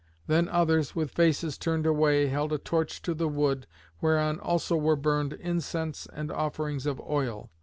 Then others, with faces turned away, held a torch to the wood, whereon also were burned incense and offerings of oil.